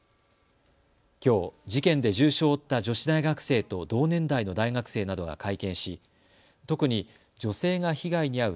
きょう、事件で重傷を負った女子大学生と同年代の大学生などが会見し特に女性が被害に遭う